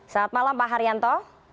selamat malam pak haryanto